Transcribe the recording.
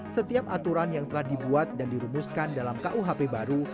setiap aturan yang telah dibuat dan dirumuskan dalam kuhp baru